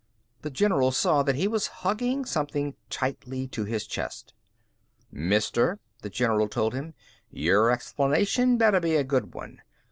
The general saw that he was hugging something tightly to his chest. "Mister," the general told him, "your explanation better be a good one.